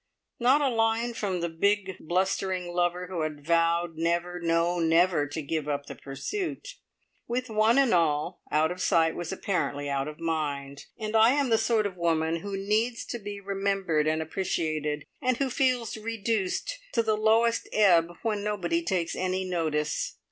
Not a line from the big, blustering lover who had vowed never, no, never, to give up the pursuit. With one and all, out of sight was apparently out of mind, and I am the sort of woman who needs to be remembered and appreciated, and who feels reduced to the lowest ebb when nobody takes any notice.